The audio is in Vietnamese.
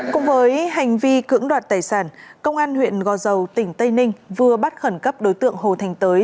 cùng với hành vi cưỡng đoạt tài sản công an huyện gò dầu tỉnh tây ninh vừa bắt khẩn cấp đối tượng hồ thành tới